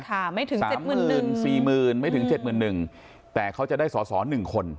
ค่ะไม่ถึง๗หมื่นหนึ่งสามหมื่นสี่หมื่นไม่ถึง๗หมื่นหนึ่งแต่เขาจะได้สสหนึ่งคน